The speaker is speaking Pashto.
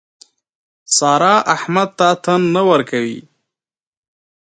سارا احمد ته تن نه ورکوي.